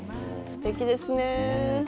すてきですね。